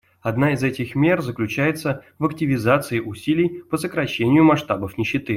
Одна из этих мер заключается в активизации усилий по сокращению масштабов нищеты.